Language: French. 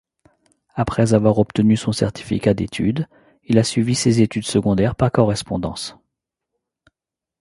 Après avoir obtenu son certificat d'étude, il a suivi ses études secondaires par correspondance.